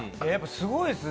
すごいですね。